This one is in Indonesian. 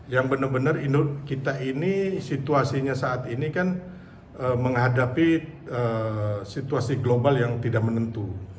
yang benar benar kita ini situasinya saat ini kan menghadapi situasi global yang tidak menentu